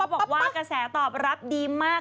บอกว่ากระแสตอบรับดีมาก